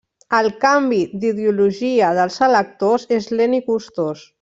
El canvi d'ideologia dels electors és lent i costós.